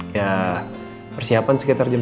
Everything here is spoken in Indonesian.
ya persiapan sekitar jam